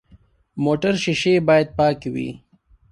موټر شیشې باید پاکې وي.